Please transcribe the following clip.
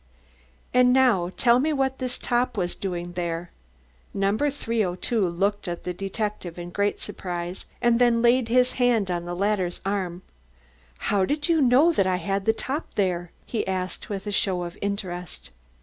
"And now tell me what this top was doing there?" No. 302 looked at the detective in great surprise, and then laid his hand on the latter's arm. "How did you know that I had the top there?" he asked with a show of interest.